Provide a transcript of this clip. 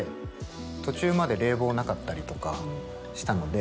途中まで冷房なかったりとかしたので。